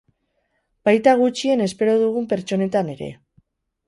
Baita gutxien espero dugun pertsonetan ere.